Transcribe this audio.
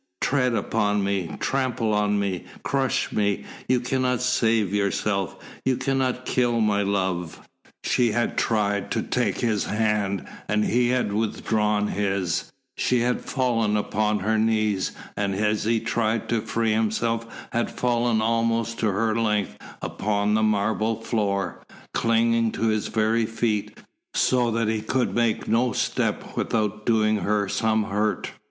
Tread upon me, trample on me, crush me you cannot save yourself, you cannot kill my love!" She had tried to take his hand and he had withdrawn his, she had fallen upon her knees, and as he tried to free himself had fallen almost to her length upon the marble floor, clinging to his very feet, so that he could make no step without doing her some hurt.